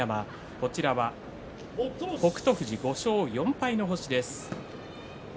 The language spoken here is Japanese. こちらは北勝富士５勝４敗の星です。